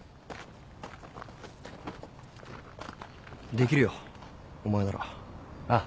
できるよお前なら。ああ。